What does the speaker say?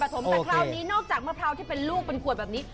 แต่คราวนี้นอกจากมะพร้าวที่เป็นลูกเป็นขวดแบบนี้